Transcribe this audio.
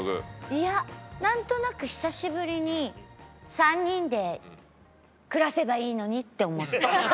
いやなんとなく久しぶりに３人で暮らせばいいのにって思ってます。